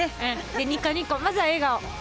ニコニコまずは笑顔。